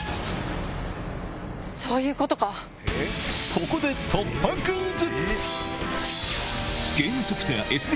ここで突破クイズ！